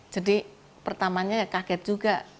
jadi pertamanya kaget juga